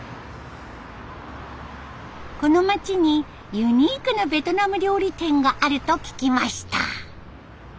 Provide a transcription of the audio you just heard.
この町にユニークなベトナム料理店があると聞きました。